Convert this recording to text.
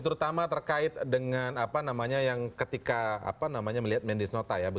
terutama terkait dengan ketika melihat mendisnota ya